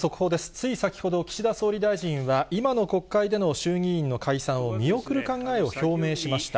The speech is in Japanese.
つい先ほど、岸田総理大臣は、今の国会での衆議院の解散を見送る考えを表明しました。